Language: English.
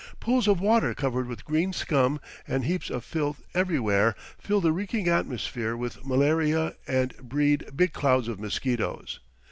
Pools of water covered with green scum, and heaps of filth everywhere, fill the reeking atmosphere with malaria and breed big clouds of mosquitoes.